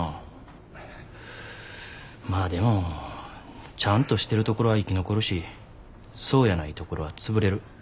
まあでもちゃんとしてるところは生き残るしそうやないところは潰れる。